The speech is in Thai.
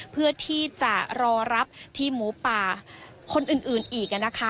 เพื่อที่จะรอรับทีมหมูป่าคนอื่นอีกนะคะ